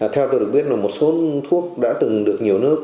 theo tôi được biết là một số thuốc đã từng được nhiều nước